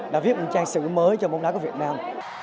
đã viết một trang sử mới cho bóng đá của việt nam